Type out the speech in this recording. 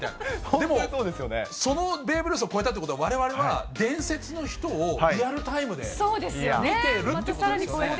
でもそのベーブ・ルースを超えたということは、われわれは伝説の人をリアルタイムで見てるってことですよね。